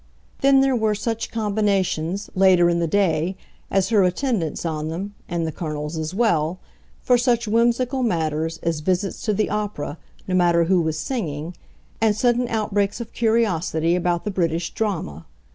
Then there were such combinations, later in the day, as her attendance on them, and the Colonel's as well, for such whimsical matters as visits to the opera no matter who was singing, and sudden outbreaks of curiosity about the British drama.